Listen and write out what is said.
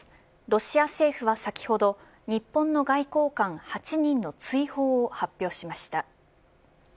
ロシア政府は先ほど日本の外交官８人の追放を発表しました。